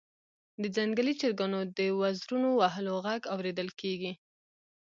د ځنګلي چرګانو د وزرونو وهلو غږ اوریدل کیږي